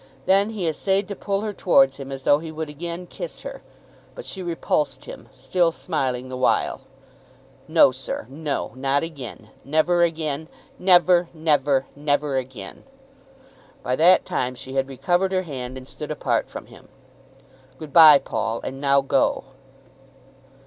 Then he essayed to pull her towards him as though he would again kiss her. But she repulsed him, still smiling the while. "No, sir; no; not again; never again, never, never, never again." By that time she had recovered her hand and stood apart from him. "Good bye, Paul; and now go."